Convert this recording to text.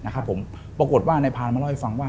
ปรากฏว่านายพานมาเล่าให้ฟังว่า